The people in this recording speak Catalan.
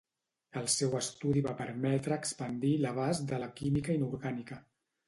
El seu estudi va permetre expandir l'abast de la química inorgànica.